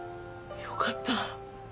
よかった。